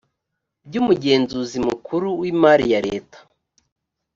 by umugenzuzi mukuru w imari ya leta